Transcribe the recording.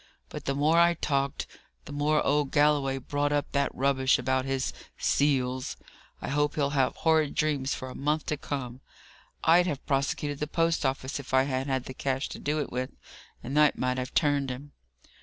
but the more I talked, the more old Galloway brought up that rubbish about his 'seals!' I hope he'll have horrid dreams for a month to come! I'd have prosecuted the post office if I had had the cash to do it with, and that might have turned him."